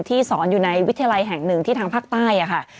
สอนอยู่ในวิทยาลัยแห่งหนึ่งที่ทางภาคใต้ค่ะ